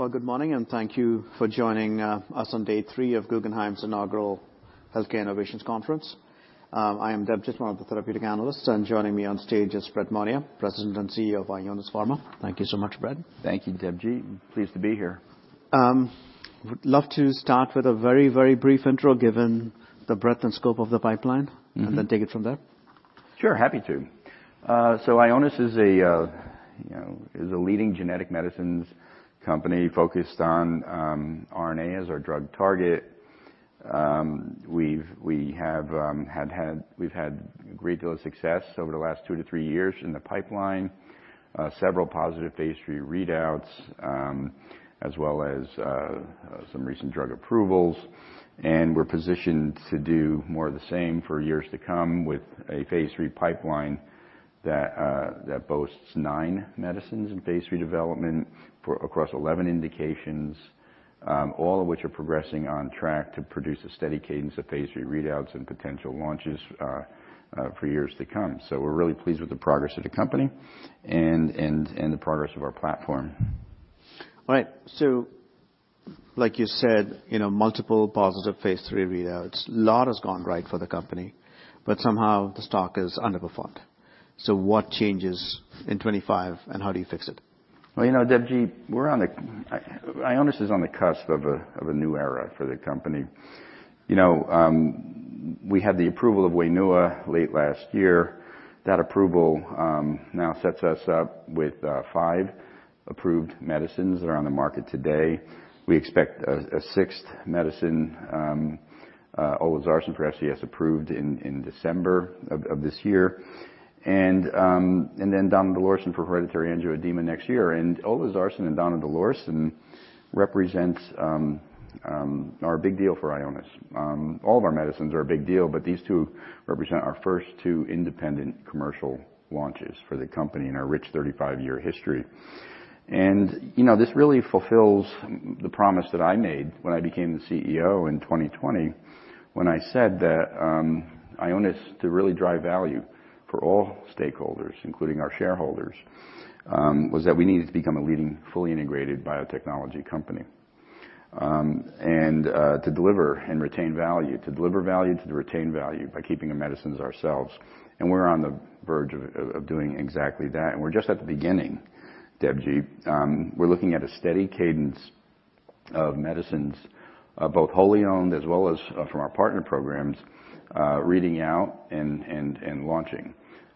Well, good morning, and thank you for joining us on day three of Guggenheim's inaugural Healthcare Innovations Conference. I am Debjit Chattopadhyay, one of the Therapeutic Analysts, and joining me on stage is Brett Monia, President and CEO of Ionis Pharma. Thank you so much, Brett. Thank you, Debjit. Pleased to be here. We'd love to start with a very, very brief intro, given the breadth and scope of the pipeline, and then take it from there. Sure, happy to. So Ionis is a leading genetic medicines company focused on RNA as our drug target. We've had a great deal of success over the last two to three years in the pipeline, several positive phase III readouts, as well as some recent drug approvals. And we're positioned to do more of the same for years to come with a phase III pipeline that boasts nine medicines in phase III development across 11 indications, all of which are progressing on track to produce a steady cadence of phase III readouts and potential launches for years to come. So we're really pleased with the progress of the company and the progress of our platform. All right. So, like you said, multiple positive phase III readouts. A lot has gone right for the company, but somehow the stock has underperformed. So what changes in 2025, and how do you fix it? You know, Debjit, Ionis is on the cusp of a new era for the company. We had the approval of Wainua late last year. That approval now sets us up with five approved medicines that are on the market today. We expect a sixth medicine, Olezarsen for FCS, approved in December of this year. And then donidalorsen for hereditary angioedema next year. And Olezarsen and donidalorsen represent our big deal for Ionis. All of our medicines are a big deal, but these two represent our first two independent commercial launches for the company in our rich 35-year history. And this really fulfills the promise that I made when I became the CEO in 2020, when I said that Ionis, to really drive value for all stakeholders, including our shareholders, was that we needed to become a leading, fully integrated biotechnology company and to deliver and retain value, to deliver value, to retain value by keeping our medicines ourselves. And we're on the verge of doing exactly that. And we're just at the beginning, Debjit. We're looking at a steady cadence of medicines, both wholly owned as well as from our partner programs, reading out and launching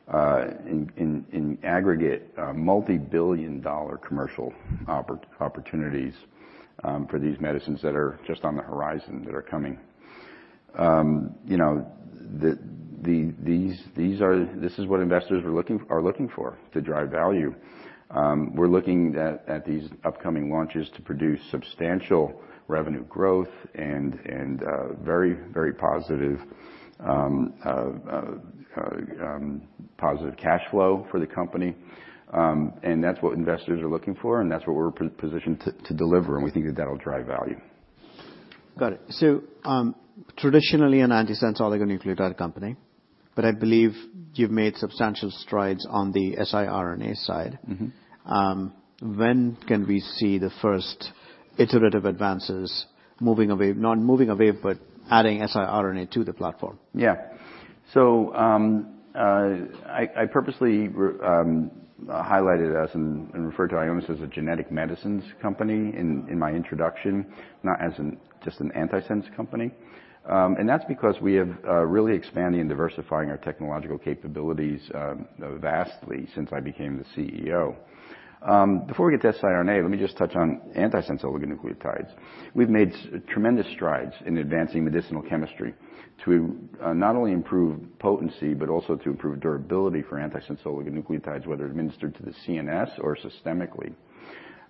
in aggregate multi-billion-dollar commercial opportunities for these medicines that are just on the horizon, that are coming. This is what investors are looking for, to drive value. We're looking at these upcoming launches to produce substantial revenue growth and very, very positive cash flow for the company. And that's what investors are looking for, and that's what we're positioned to deliver. And we think that that'll drive value. Got it. So, traditionally an antisense oligonucleotide company, but I believe you've made substantial strides on the siRNA side. When can we see the first iterative advances moving away, not moving away, but adding siRNA to the platform? Yeah. So I purposely highlighted us and referred to Ionis as a genetic medicines company in my introduction, not as just an antisense company. And that's because we have really expanded and diversified our technological capabilities vastly since I became the CEO. Before we get to siRNA, let me just touch on antisense nucleotides. We've made tremendous strides in advancing medicinal chemistry to not only improve potency, but also to improve durability for antisense nucleotides, whether administered to the CNS or systemically.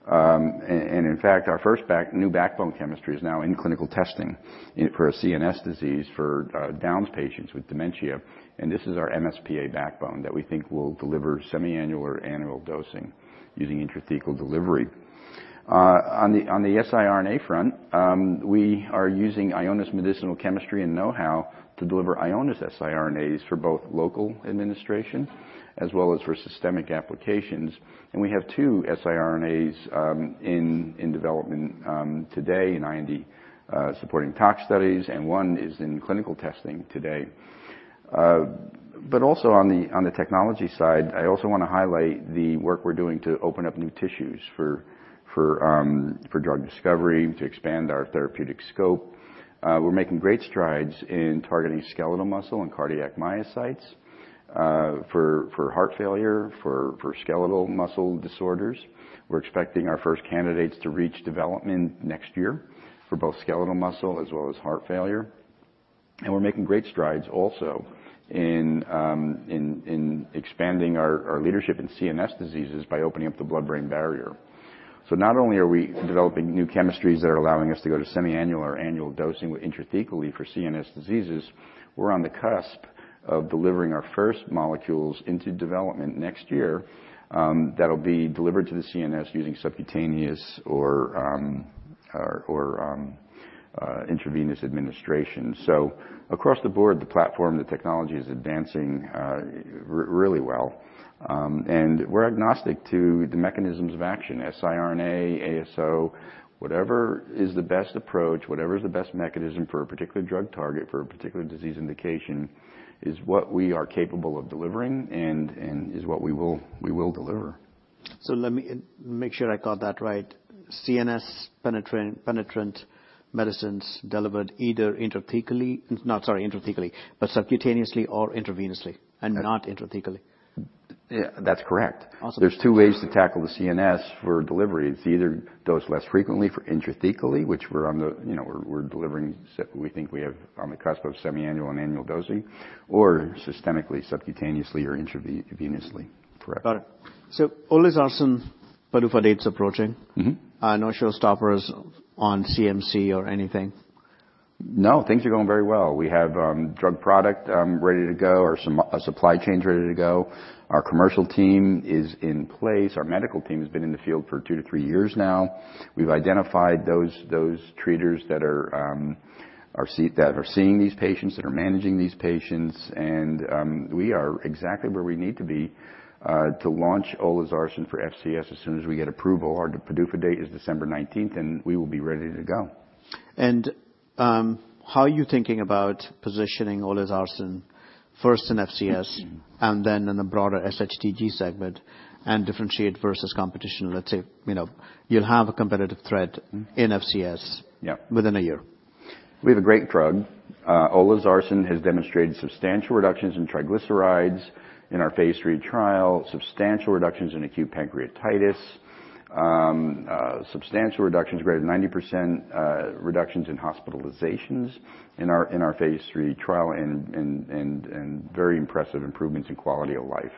And in fact, our first new backbone chemistry is now in clinical testing for a CNS disease for Down's patients with dementia. And this is our MsPA backbone that we think will deliver semi-annual or annual dosing using intrathecal delivery. On the siRNA front, we are using Ionis medicinal chemistry and know-how to deliver Ionis siRNAs for both local administration as well as for systemic applications. And we have two siRNAs in development today in IND supporting tox studies, and one is in clinical testing today. But also on the technology side, I also want to highlight the work we're doing to open up new tissues for drug discovery, to expand our therapeutic scope. We're making great strides in targeting skeletal muscle and cardiac myocytes for heart failure, for skeletal muscle disorders. We're expecting our first candidates to reach development next year for both skeletal muscle as well as heart failure. And we're making great strides also in expanding our leadership in CNS diseases by opening up the blood-brain barrier. So not only are we developing new chemistries that are allowing us to go to semi-annual or annual dosing intrathecally for CNS diseases, we're on the cusp of delivering our first molecules into development next year that'll be delivered to the CNS using subcutaneous or intravenous administration. So across the board, the platform, the technology is advancing really well. And we're agnostic to the mechanisms of action. siRNA, ASO, whatever is the best approach, whatever is the best mechanism for a particular drug target, for a particular disease indication, is what we are capable of delivering and is what we will deliver. So let me make sure I got that right. CNS penetrant medicines delivered either intrathecally, but subcutaneously or intravenously and not intrathecally. That's correct. There's two ways to tackle the CNS for delivery. It's either dosed less frequently or intrathecally, which we're delivering, we think we have on the cusp of semi-annual and annual dosing, or systemically, subcutaneously, or intravenously. Correct. Got it. So Olezarsen, but if a date's approaching, no showstoppers on CMC or anything? No, things are going very well. We have drug product ready to go, our supply chain's ready to go. Our commercial team is in place. Our medical team has been in the field for two to three years now. We've identified those treaters that are seeing these patients, that are managing these patients, and we are exactly where we need to be to launch Olezarsen for FCS as soon as we get approval. Our PDUFA date is December 19th, and we will be ready to go. How are you thinking about positioning Olezarsen first in FCS and then in the broader SHTG segment and differentiate versus competition? Let's say you'll have a competitive threat in FCS within a year. We have a great drug. Olezarsen has demonstrated substantial reductions in triglycerides in our phase III trial, substantial reductions in acute pancreatitis, substantial reductions, greater than 90% reductions in hospitalizations in our phase III trial, and very impressive improvements in quality of life,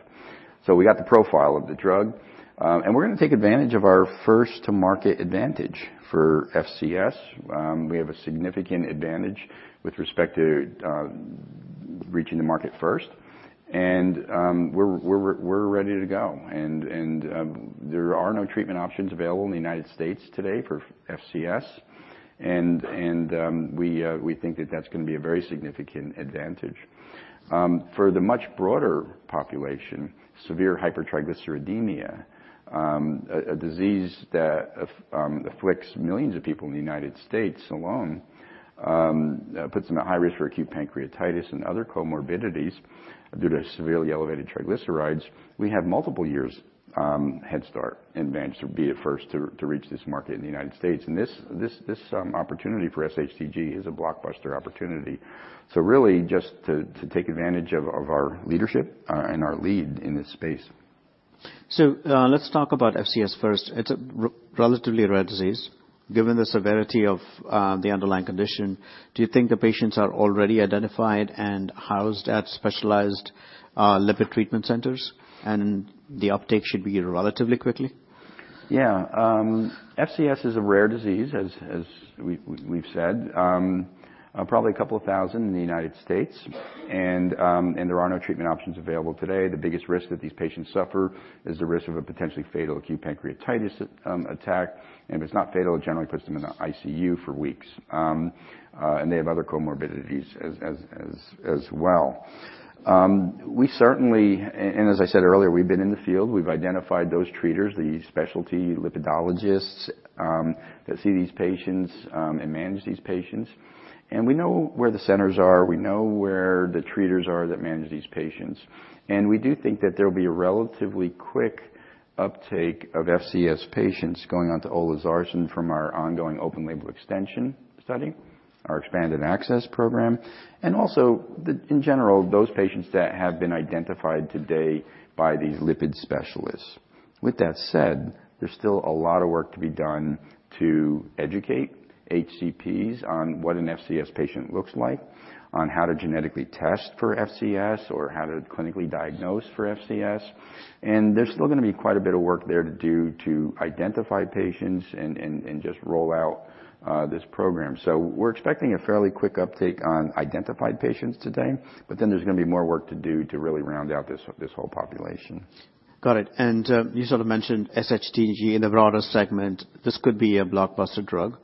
so we got the profile of the drug, and we're going to take advantage of our first-to-market advantage for FCS. We have a significant advantage with respect to reaching the market first, and we're ready to go, and there are no treatment options available in the United States today for FCS, and we think that that's going to be a very significant advantage. For the much broader population, severe hypertriglyceridemia, a disease that afflicts millions of people in the United States alone, puts them at high risk for acute pancreatitis and other comorbidities due to severely elevated triglycerides. We have multiple years head start and advantage to be first to reach this market in the United States. And this opportunity for SHTG is a blockbuster opportunity. So really just to take advantage of our leadership and our lead in this space. So let's talk about FCS first. It's a relatively rare disease. Given the severity of the underlying condition, do you think the patients are already identified and housed at specialized lipid treatment centers, and the uptake should be relatively quickly? Yeah. FCS is a rare disease, as we've said, probably a couple of thousand in the United States. And there are no treatment options available today. The biggest risk that these patients suffer is the risk of a potentially fatal acute pancreatitis attack. And if it's not fatal, it generally puts them in the ICU for weeks. And they have other comorbidities as well. And as I said earlier, we've been in the field. We've identified those treaters, the specialty lipidologists that see these patients and manage these patients. And we know where the centers are. We know where the treaters are that manage these patients. We do think that there will be a relatively quick uptake of FCS patients going on to Olezarsen from our ongoing open-label extension study, our expanded access program, and also in general, those patients that have been identified today by these lipid specialists. With that said, there's still a lot of work to be done to educate HCPs on what an FCS patient looks like, on how to genetically test for FCS, or how to clinically diagnose for FCS. There's still going to be quite a bit of work there to do to identify patients and just roll out this program. We're expecting a fairly quick uptake on identified patients today, but then there's going to be more work to do to really round out this whole population. Got it. And you sort of mentioned SHTG in the broader segment. This could be a blockbuster drug,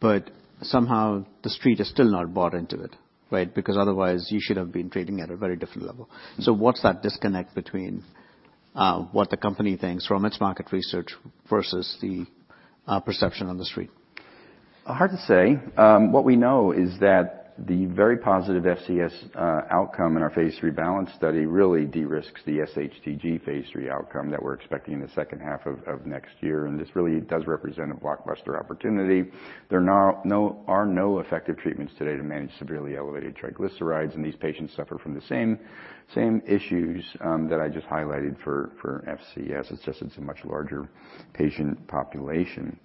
but somehow the street is still not bought into it, right? Because otherwise you should have been trading at a very different level. So what's that disconnect between what the company thinks from its market research versus the perception on the street? Hard to say. What we know is that the very positive FCS outcome in our phase III BALANCE study really de-risks the SHTG phase III outcome that we're expecting in the second half of next year. This really does represent a blockbuster opportunity. There are no effective treatments today to manage severely elevated triglycerides. These patients suffer from the same issues that I just highlighted for FCS. It's just a much larger patient population.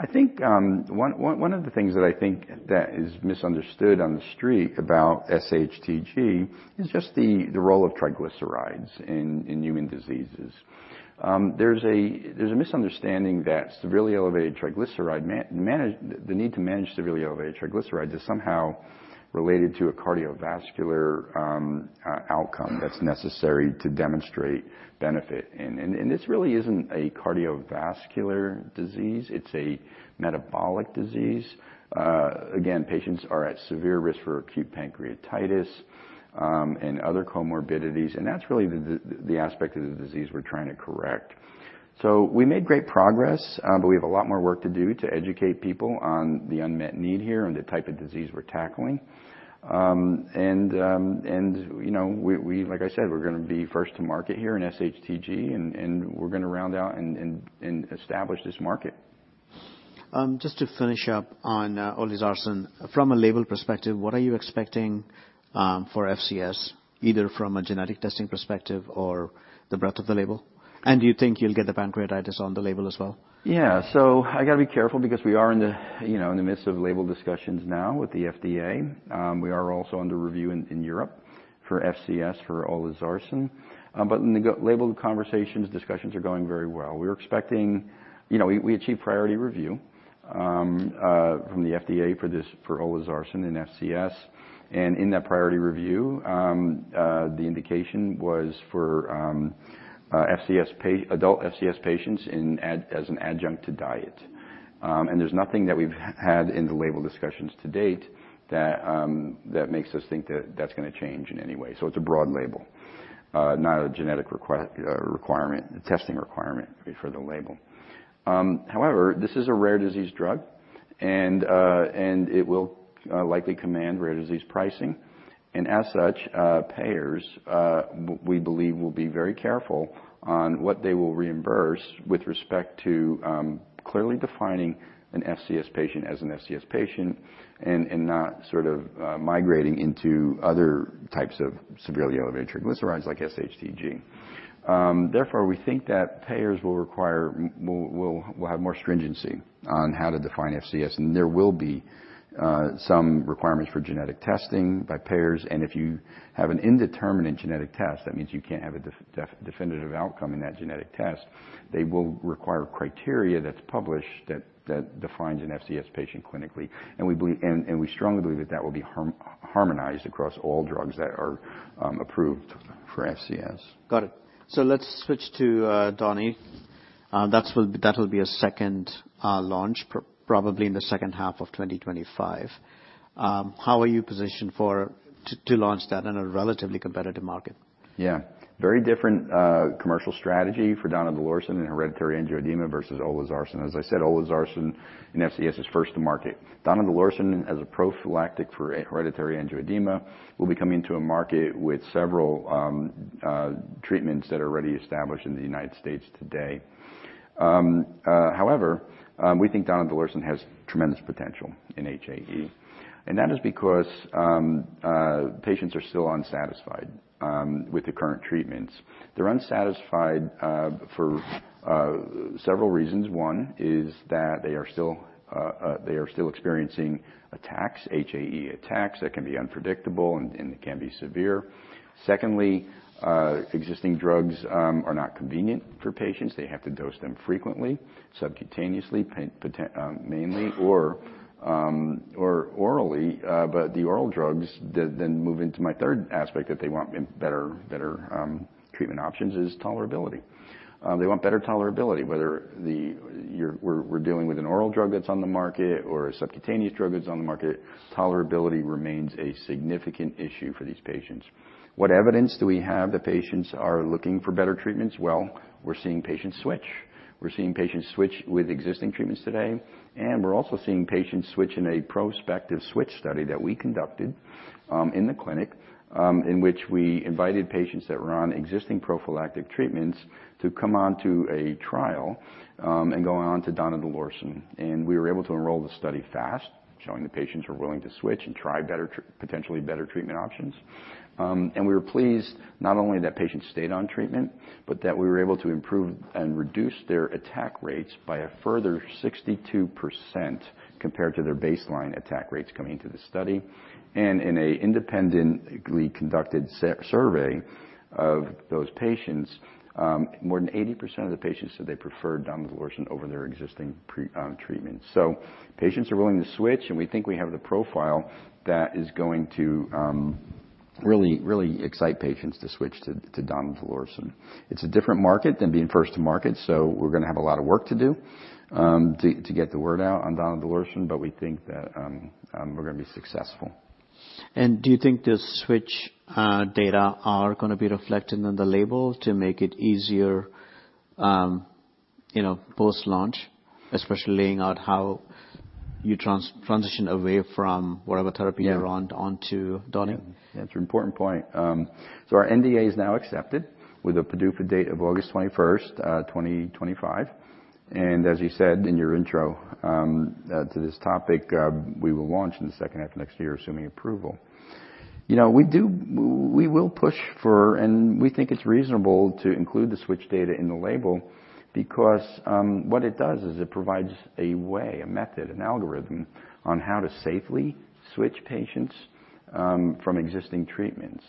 I think one of the things that I think that is misunderstood on the street about SHTG is just the role of triglycerides in human diseases. There's a misunderstanding that severely elevated triglyceride, the need to manage severely elevated triglycerides is somehow related to a cardiovascular outcome that's necessary to demonstrate benefit. This really isn't a cardiovascular disease. It's a metabolic disease. Again, patients are at severe risk for acute pancreatitis and other comorbidities. And that's really the aspect of the disease we're trying to correct. So we made great progress, but we have a lot more work to do to educate people on the unmet need here and the type of disease we're tackling. And like I said, we're going to be first to market here in SHTG, and we're going to round out and establish this market. Just to finish up on olezarsen, from a label perspective, what are you expecting for FCS, either from a genetic testing perspective or the breadth of the label? And do you think you'll get the pancreatitis on the label as well? Yeah. So I got to be careful because we are in the midst of label discussions now with the FDA. We are also under review in Europe for FCS for Olezarsen. But in the label conversations, discussions are going very well. We're expecting, we achieved priority review from the FDA for Olezarsen and FCS. And in that priority review, the indication was for adult FCS patients as an adjunct to diet. And there's nothing that we've had in the label discussions to date that makes us think that that's going to change in any way. So it's a broad label, not a genetic requirement, testing requirement for the label. However, this is a rare disease drug, and it will likely command rare disease pricing. As such, payers, we believe, will be very careful on what they will reimburse with respect to clearly defining an FCS patient as an FCS patient and not sort of migrating into other types of severely elevated triglycerides like SHTG. Therefore, we think that payers will require, will have more stringency on how to define FCS. There will be some requirements for genetic testing by payers. If you have an indeterminate genetic test, that means you can't have a definitive outcome in that genetic test. They will require criteria that's published that defines an FCS patient clinically. We strongly believe that that will be harmonized across all drugs that are approved for FCS. Got it. So let's switch to Doni. That will be a second launch, probably in the second half of 2025. How are you positioned to launch that in a relatively competitive market? Yeah. Very different commercial strategy for donidalorsen and hereditary angioedema versus olezarsen. As I said, olezarsen and FCS is first to market. Donidalorsen, as a prophylactic for hereditary angioedema, will be coming to a market with several treatments that are already established in the United States today. However, we think donidalorsen has tremendous potential in HAE, and that is because patients are still unsatisfied with the current treatments. They're unsatisfied for several reasons. One is that they are still experiencing attacks, HAE attacks that can be unpredictable and can be severe. Secondly, existing drugs are not convenient for patients. They have to dose them frequently, subcutaneously mainly, or orally. But the oral drugs then move into my third aspect that they want better treatment options is tolerability. They want better tolerability. Whether we're dealing with an oral drug that's on the market or a subcutaneous drug that's on the market, tolerability remains a significant issue for these patients. What evidence do we have that patients are looking for better treatments? Well, we're seeing patients switch. We're seeing patients switch with existing treatments today. And we're also seeing patients switch in a prospective switch study that we conducted in the clinic in which we invited patients that were on existing prophylactic treatments to come on to a trial and go on to Donidalorsen. And we were able to enroll the study fast, showing the patients were willing to switch and try potentially better treatment options. And we were pleased not only that patients stayed on treatment, but that we were able to improve and reduce their attack rates by a further 62% compared to their baseline attack rates coming into the study. And in an independently conducted survey of those patients, more than 80% of the patients said they preferred donidalorsen over their existing treatment. So, patients are willing to switch, and we think we have the profile that is going to really excite patients to switch to donidalorsen. It's a different market than being first to market, so we're going to have a lot of work to do to get the word out on donidalorsen, but we think that we're going to be successful. Do you think the switch data are going to be reflected in the label to make it easier post-launch, especially laying out how you transition away from whatever therapy you're on to Doni? That's an important point. So our NDA is now accepted with a PDUFA date of August 21st, 2025. And as you said in your intro to this topic, we will launch in the second half of next year, assuming approval. You know, we will push for, and we think it's reasonable to include the switch data in the label because what it does is it provides a way, a method, an algorithm on how to safely switch patients from existing treatments.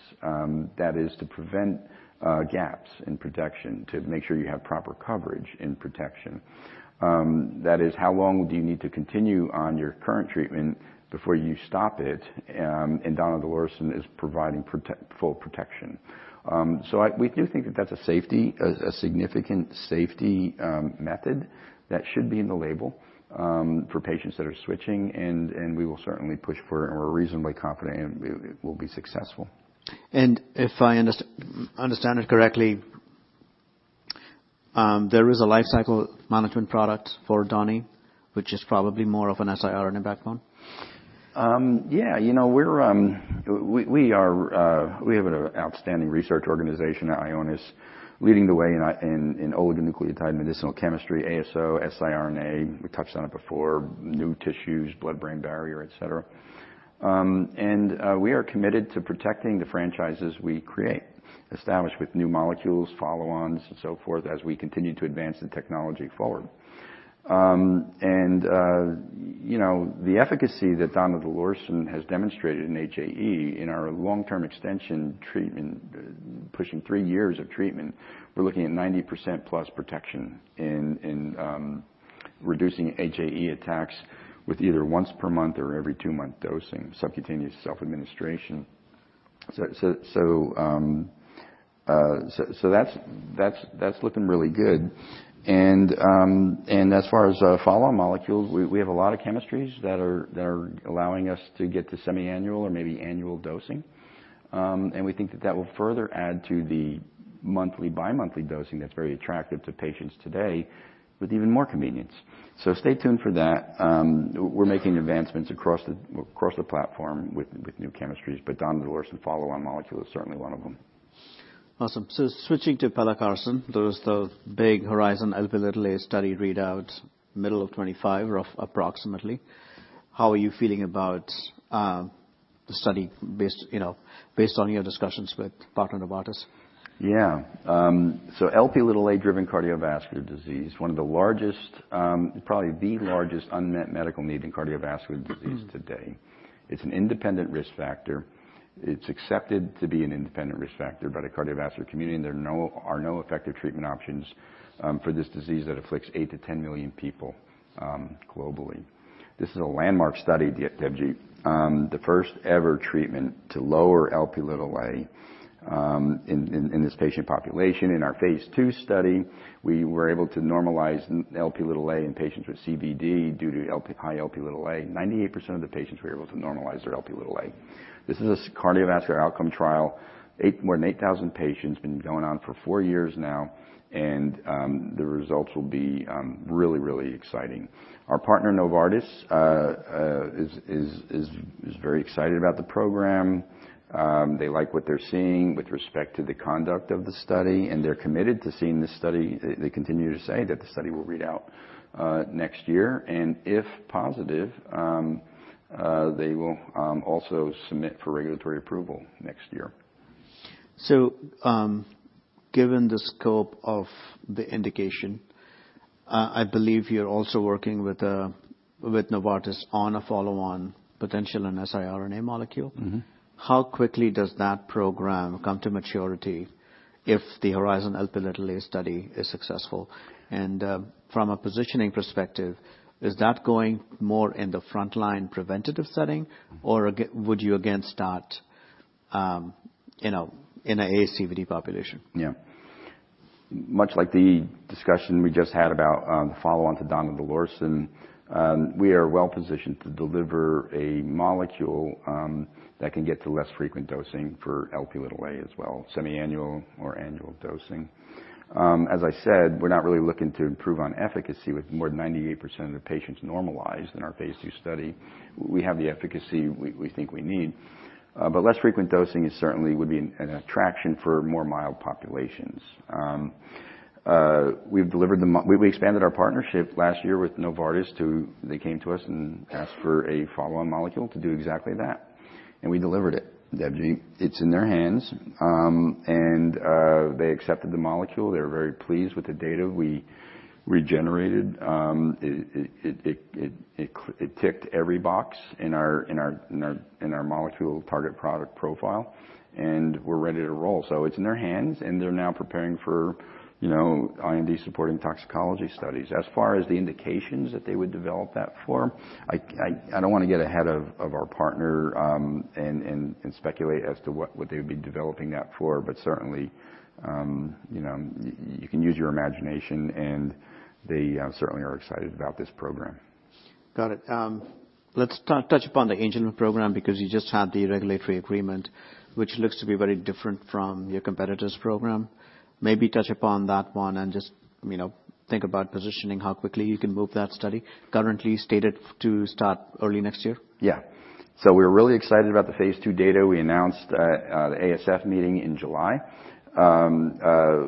That is to prevent gaps in protection, to make sure you have proper coverage in protection. That is how long do you need to continue on your current treatment before you stop it, and Donidalorsen is providing full protection. So we do think that that's a safety, a significant safety method that should be in the label for patients that are switching. We will certainly push for it, and we're reasonably confident it will be successful. If I understand it correctly, there is a life cycle management product for Donny, which is probably more of an siRNA backbone? Yeah. You know, we have an outstanding research organization, Ionis, leading the way in oligonucleotide medicinal chemistry, ASO, siRNA. We touched on it before, new tissues, blood-brain barrier, etc. And we are committed to protecting the franchises we create, established with new molecules, follow-ons, and so forth as we continue to advance the technology forward. And the efficacy that Donidalorsen has demonstrated in HAE in our long-term extension treatment, pushing three years of treatment, we're looking at 90% plus protection in reducing HAE attacks with either once per month or every two-month dosing, subcutaneous self-administration. So that's looking really good. And as far as follow-on molecules, we have a lot of chemistries that are allowing us to get to semi-annual or maybe annual dosing. And we think that that will further add to the monthly, bi-monthly dosing that's very attractive to patients today with even more convenience. So, stay tuned for that. We're making advancements across the platform with new chemistries, but donidalorsen follow-on molecule is certainly one of them. Awesome. So, switching to pelacarsen, there was the big Horizon Lp(a) study readout middle of 2025, roughly approximately. How are you feeling about the study based on your discussions with partner Novartis? Yeah. So Lp(a)-driven cardiovascular disease, one of the largest, probably the largest unmet medical need in cardiovascular disease today. It's an independent risk factor. It's accepted to be an independent risk factor by the cardiovascular community. And there are no effective treatment options for this disease that afflicts eight to 10 million people globally. This is a landmark study, Debjit, the first ever treatment to lower Lp(a) in this patient population. In our phase II study, we were able to normalize Lp(a) in patients with CVD due to high Lp(a). 98% of the patients were able to normalize their Lp(a). This is a cardiovascular outcome trial, more than 8,000 patients, been going on for four years now, and the results will be really, really exciting. Our partner, Novartis, is very excited about the program. They like what they're seeing with respect to the conduct of the study, and they're committed to seeing this study. They continue to say that the study will read out next year, and if positive, they will also submit for regulatory approval next year. Given the scope of the indication, I believe you're also working with Novartis on a follow-on potential siRNA molecule. How quickly does that program come to maturity if the Horizon Lp(a) study is successful? And from a positioning perspective, is that going more in the frontline preventative setting, or would you again start in an ACVD population? Yeah. Much like the discussion we just had about the follow-on to donidalorsen, we are well positioned to deliver a molecule that can get to less frequent dosing for Lp(a) as well, semi-annual or annual dosing. As I said, we're not really looking to improve on efficacy with more than 98% of the patients normalized in our phase II study. We have the efficacy we think we need, but less frequent dosing certainly would be an attraction for more mild populations. We expanded our partnership last year with Novartis too. They came to us and asked for a follow-on molecule to do exactly that. And we delivered it, Debjit. It's in their hands, and they accepted the molecule. They're very pleased with the data we generated. It ticked every box in our molecule target product profile, and we're ready to roll. So, it's in their hands, and they're now preparing for IND-supporting toxicology studies. As far as the indications that they would develop that for, I don't want to get ahead of our partner and speculate as to what they would be developing that for, but certainly you can use your imagination, and they certainly are excited about this program. Got it. Let's touch upon the Angelman program because you just had the regulatory agreement, which looks to be very different from your competitor's program. Maybe touch upon that one and just think about positioning how quickly you can move that study. Currently stated to start early next year. Yeah, so we're really excited about the phase II data. We announced at the ASF meeting in July.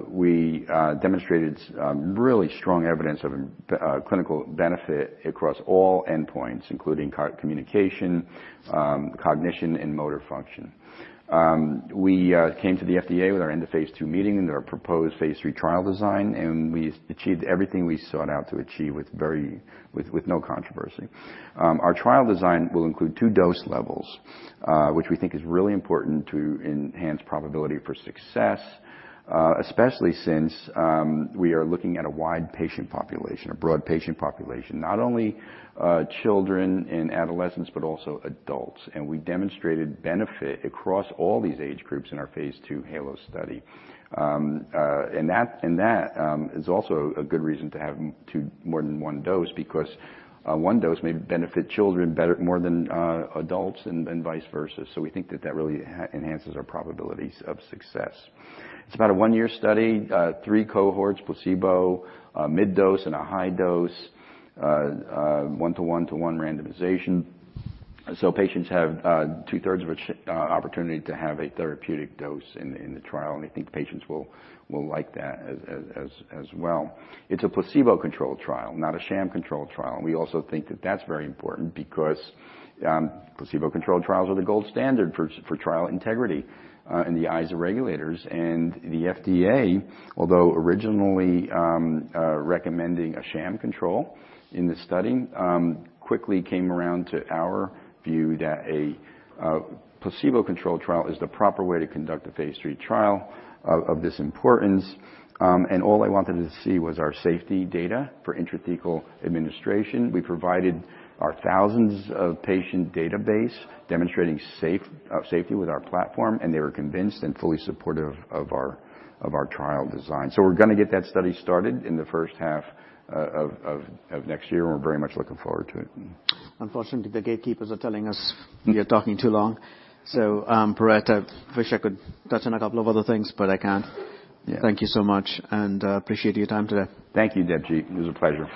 We demonstrated really strong evidence of clinical benefit across all endpoints, including communication, cognition, and motor function. We came to the FDA with our end of phase II meeting and our proposed phase III trial design, and we achieved everything we sought out to achieve with no controversy. Our trial design will include two dose levels, which we think is really important to enhance probability for success, especially since we are looking at a wide patient population, a broad patient population, not only children and adolescents, but also adults, and we demonstrated benefit across all these age groups in our phase II HALO study, and that is also a good reason to have more than one dose because one dose may benefit children more than adults and vice versa. So, we think that that really enhances our probabilities of success. It's about a one-year study, three cohorts, placebo, mid-dose, and a high dose, one-to-one-to-one randomization. So, patients have two-thirds of an opportunity to have a therapeutic dose in the trial, and I think patients will like that as well. It's a placebo-controlled trial, not a sham-controlled trial. And we also think that that's very important because placebo-controlled trials are the gold standard for trial integrity in the eyes of regulators. And the FDA, although originally recommending a sham control in the study, quickly came around to our view that a placebo-controlled trial is the proper way to conduct a phase III trial of this importance. And all they wanted to see was our safety data for intrathecal administration. We provided our thousands of patients database demonstrating safety with our platform, and they were convinced and fully supportive of our trial design, so we're going to get that study started in the first half of next year, and we're very much looking forward to it. Unfortunately, the gatekeepers are telling us we are talking too long. So Brett, I wish I could touch on a couple of other things, but I can't. Thank you so much and appreciate your time today. Thank you, Debjit. It was a pleasure.